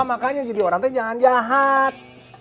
makanya jadi orang tuanya jangan jahat